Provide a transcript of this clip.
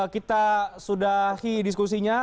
kita sudahi diskusinya